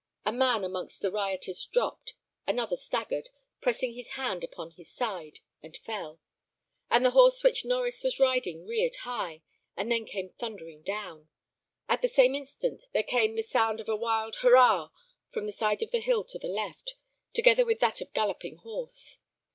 A man amongst the rioters dropped; another staggered, pressing his hand upon his side, and fell; and the horse which Norries was riding reared high, and then came thundering down. At the same instant there came the sound of a wild "Hurrah!" from the side of the hill to the left, together with that of galloping horse.